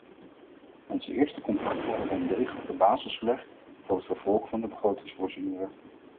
Onze eerste contacten hebben een degelijke basis gelegd voor het vervolg van de begrotingsprocedure.